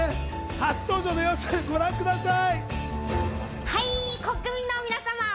初登場の様子、ご覧ください。